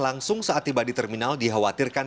langsung saat tiba di terminal dikhawatirkan